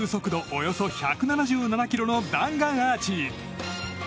およそ１７７キロの弾丸アーチ。